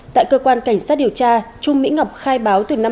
tại cơ quan cảnh sát điều tra trung mỹ ngọc khai báo tuyển năm hai nghìn